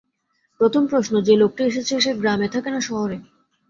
প্রথম প্রশ্ন, যে লোকটি এসেছে সে গ্রামে থাকে না শহরে?